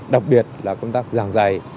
đặc biệt là công tác giảng giải